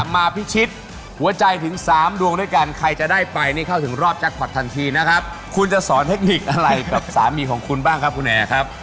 แล้วจากขวัดทันทีนะครับคุณจะสอนเทคนิคอะไรกับสามีของคุณบ้างครับคุณแอร์ครับ